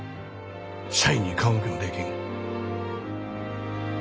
社員に顔向けもできん。